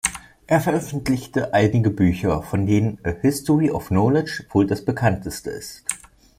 Er veröffentlichte einige Bücher, von denen "A History of Knowledge" wohl das bekannteste ist.